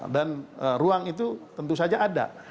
dan ruang itu tentu saja ada